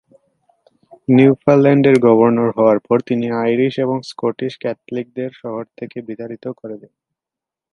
Newfoundland এর governor হওয়ার পর তিনি আইরিশ এবং স্কটিশ ক্যাথলিকদের শহর থেকে বিতাড়িত করে দেন।